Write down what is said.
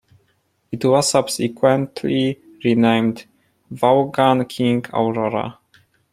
It was subsequently renamed "Vaughan-King-Aurora".